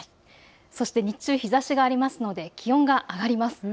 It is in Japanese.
そして日中、日ざしがあるので気温が上がります。